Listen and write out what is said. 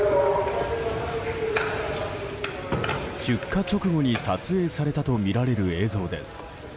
出火直後に撮影されたとみられる映像です。